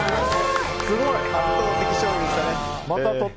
圧倒的勝利でしたね。